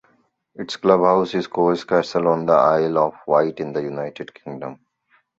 Its clubhouse is Cowes Castle on the Isle of Wight in the United Kingdom.